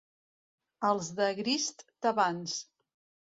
Els de Grist, tavans.